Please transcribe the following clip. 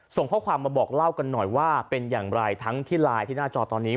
ส่งข้อความมาบอกเล่ากันหน่อยว่าเป็นอย่างไรทั้งที่ไลน์ที่หน้าจอตอนนี้